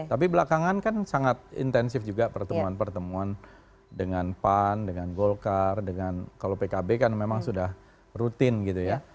tapi belakangan kan sangat intensif juga pertemuan pertemuan dengan pan dengan golkar dengan kalau pkb kan memang sudah rutin gitu ya